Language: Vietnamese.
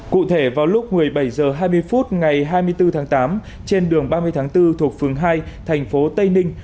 cụ thể vào lúc một mươi bảy h hai mươi phút ngày hai mươi bốn tháng tám trên đường ba mươi tháng bốn thuộc phường hai thành phố tây ninh